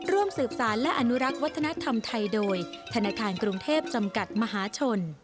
ร่วมสืบสารและอนุรักษ์วัฒนธรรมไทยโดยธนาคารกรุงเทพจำกัดมหาชน